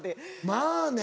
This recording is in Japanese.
まぁね。